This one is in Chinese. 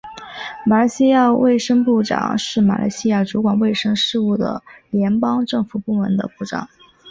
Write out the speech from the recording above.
马来西亚卫生部长是马来西亚主管卫生事务的联邦政府部门的部长。